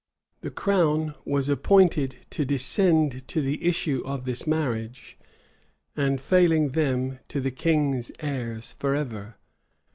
The crown was appointed to descend to the issue of this marriage, and failing them, to the king's heirs forever.